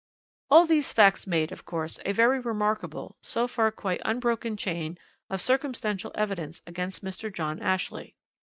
"All these facts made, of course, a very remarkable, so far quite unbroken, chain of circumstantial evidence against Mr. John Ashley.